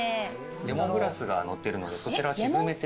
レモングラスがのってるのでそちら沈めて。